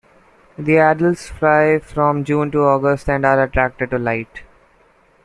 The adults fly from June to August and are attracted to light.